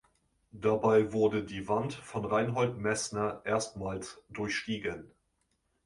Dabei wurde die Wand von Reinhold Messner erstmals durchstiegen.